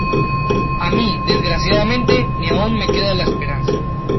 a mí, desgraciadamente , ni aun me queda la esperanza.